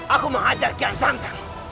aku menghajar kian sangka